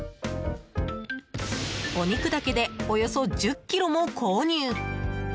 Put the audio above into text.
お肉だけでおよそ１０ｋｇも購入！